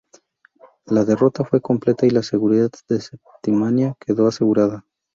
La derrota fue completa y la seguridad de Septimania quedó asegurada.